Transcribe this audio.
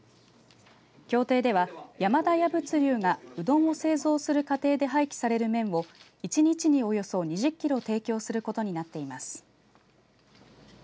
協定では山田家物流がうどんを製造する過程で廃棄される麺を一日におよそ２０キロ提供することになっています。